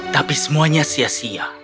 tapi semuanya sia sia